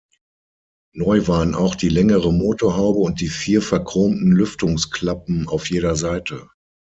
Neu waren auch die längere Motorhaube und die vier verchromten Lüftungsklappen auf jeder Seite.